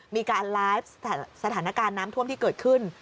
มีการไลฟ์สถานการณ์น้ำท่วมที่เกิดขึ้น